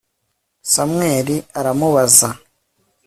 samweli aramubaza